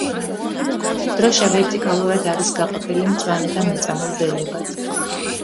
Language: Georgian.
დროშა ვერტიკალურად არის გაყოფილი მწვანე და მეწამულ ველებად.